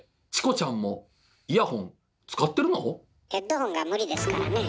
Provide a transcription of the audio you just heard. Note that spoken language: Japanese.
ヘッドホンが無理ですからねぇ。